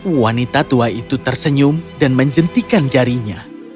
wanita tua itu tersenyum dan menjentikan jarinya